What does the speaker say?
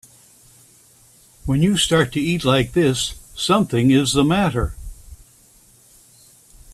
When you start to eat like this something is the matter.